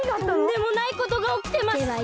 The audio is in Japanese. とんでもないことがおきてます。